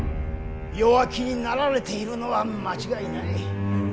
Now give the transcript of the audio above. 弱気になられているのは間違いない。